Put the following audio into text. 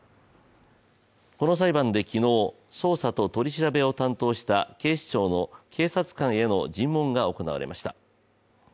この裁判で昨日、捜査と取り調べを担当した警視庁の警察官への尋問が行われました。